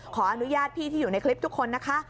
ขออนุญาตพี่ที่อยู่ในคลิปทุกคนนะคะ